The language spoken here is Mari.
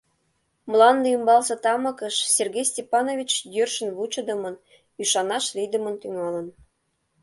Мланде ӱмбалсе тамыкыш Сергей Степанович йӧршын вучыдымын, ӱшанаш лийдымын тӱҥалын.